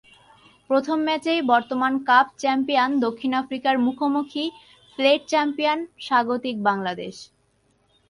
প্রথম ম্যাচেই বর্তমান কাপ চ্যাম্পিয়ন দক্ষিণ আফ্রিকার মুখোমুখি প্লেট চ্যাম্পিয়ন স্বাগতিক বাংলাদেশ।